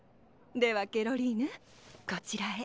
ではケロリーヌこちらへ。